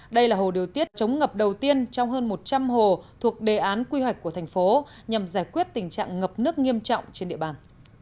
đây là hồ điều tiết chống ngập đầu tiên trong hơn một trăm linh hồ thuộc đề án quy hoạch của thành phố nhằm giải quyết tình trạng ngập nước nghiêm trọng trên địa bàn